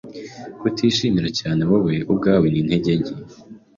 Kutishimira cyane wowe ubwawe ni intege nke,